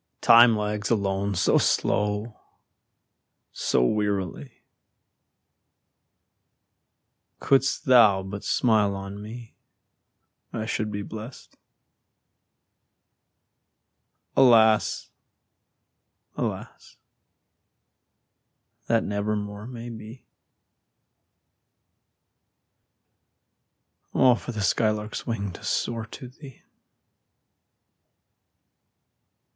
Time lags alone so slow, so wearily; Couldst thou but smile on me, I should be blest. Alas, alas! that never more may be. Oh, for the sky lark's wing to soar to thee!